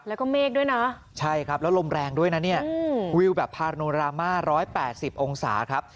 แล้วก็เมฆด้วยนะใช่ครับแล้วลมแรงด้วยนะเนี่ยวิวแบบพาโนรามา๑๘๐องศาครับ